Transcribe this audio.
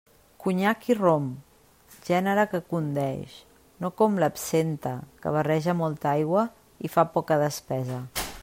Conyac i rom, gènere que condeix, no com l'absenta, que barreja molta aigua i fa poca despesa.